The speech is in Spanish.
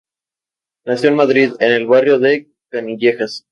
Nació en Madrid, en el barrio de Canillejas.